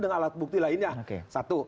dengan alat bukti lainnya satu